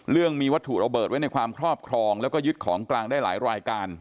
เรื่องมีวัตถุระเบิดไว้ในความครอบครองแล้วก็ยึดของกลางได้หลายรายการ